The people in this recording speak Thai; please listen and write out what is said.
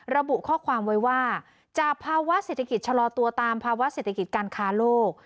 ระบุข้อความไว้ว่าจากภาวะเศรษฐกิจชะลอตัวตามภาวะเศรษฐกิจการค้าโลก